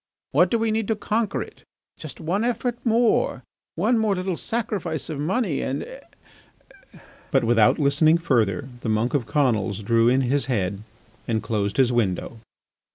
What do we need to conquer it? just one effort more ... one more little sacrifice of money and ..." But without listening further, the monk of Conils drew in his head and closed his window.